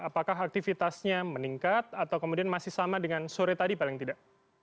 apakah aktivitasnya meningkat atau kemudian masih sama dengan sore tadi paling tidak